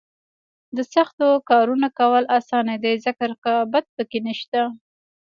د سختو کارونو کول اسانه دي ځکه رقابت پکې نشته.